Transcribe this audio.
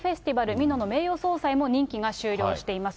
美濃の名誉総裁も任期が終了しています。